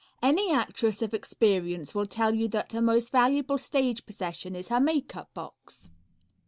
Any actress of experience will tell you that her most valuable stage possession is her Makeup Box.